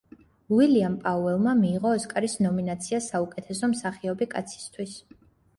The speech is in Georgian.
უილიამ პაუელმა მიიღო ოსკარის ნომინაცია საუკეთესო მსახიობი კაცისთვის.